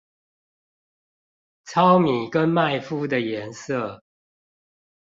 糙米跟麥麩的顏色